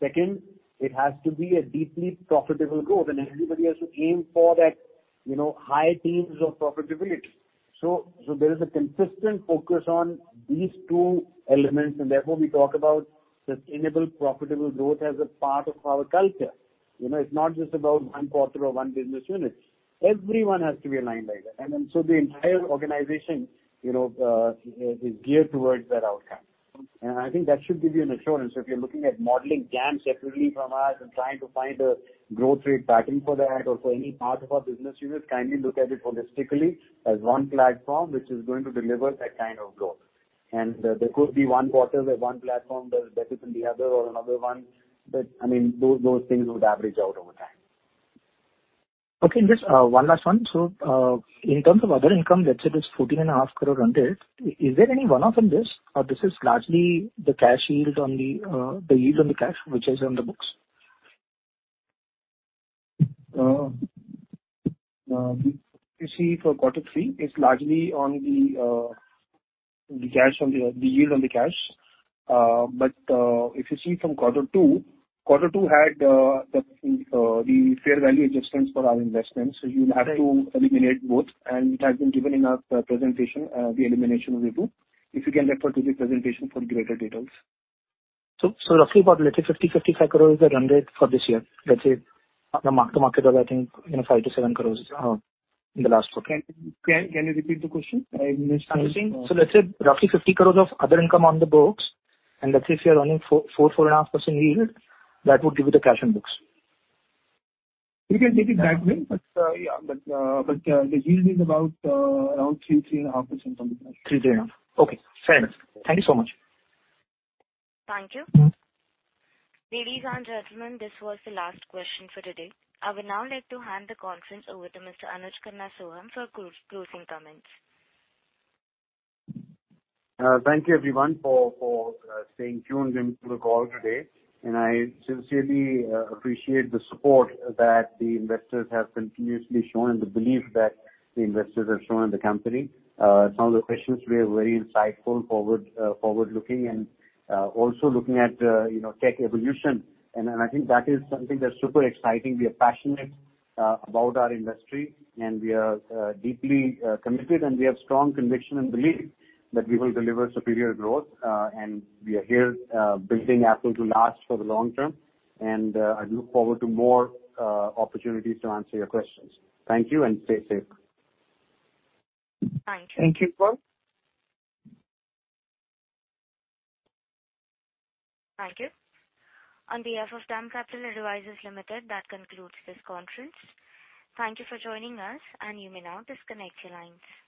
Second, it has to be a deeply profitable growth, and everybody has to aim for that, you know, high teens of profitability. So there is a consistent focus on these two elements, and therefore we talk about sustainable, profitable growth as a part of our culture. You know, it's not just about one quarter or one business unit. Everyone has to be aligned like that. The entire organization, you know, is geared towards that outcome. And I think that should give you an assurance. If you're looking at modeling Jampp separately from us and trying to find a growth rate pattern for that or for any part of our business unit, kindly look at it holistically as one platform which is going to deliver that kind of growth. There could be one quarter where one platform does better than the other or another one. I mean, those things would average out over time. Okay. Just one last one. In terms of other income, let's say it is 14.5 crore run rate. Is there any one-off in this or this is largely the yield on the cash which is on the books? If you see for quarter three, it's largely on the yield on the cash. If you see from quarter two, quarter two had the fair value adjustments for our investments. You'll have to eliminate both. It has been given in our presentation, the elimination of the two. If you can refer to the presentation for greater details. Roughly about, let's say, 50-55 crore the run rate for this year, let's say the mark-to-market of, I think, 5-7 crore in the last quarter. Can you repeat the question? I missed. I'm saying, let's say roughly 50 crores of other income on the books, and let's say if you're earning 4.5% yield, that would give you the cash on books. You can take it that way. Yeah. The yield is about around 3.5% on the cash. 3.5. Okay. Fair enough. Thank you so much. Thank you. Ladies and gentlemen, this was the last question for today. I would now like to hand the conference over to Mr. Anuj Khanna Sohum for closing comments. Thank you everyone for staying tuned into the call today. I sincerely appreciate the support that the investors have continuously shown and the belief that the investors have shown in the company. Some of the questions were very insightful, forward-looking and also looking at, you know, tech evolution. I think that is something that's super exciting. We are passionate about our industry, and we are deeply committed, and we have strong conviction and belief that we will deliver superior growth. We are here building Affle to last for the long term. I look forward to more opportunities to answer your questions. Thank you, and stay safe. Thank you. Thank you, Arun Prasath. Thank you. On behalf of DAM Capital Advisors Limited, that concludes this conference. Thank you for joining us, and you may now disconnect your lines.